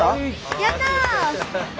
やった！